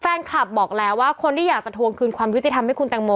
แฟนคลับบอกแล้วว่าคนที่อยากจะทวงคืนความยุติธรรมให้คุณแตงโม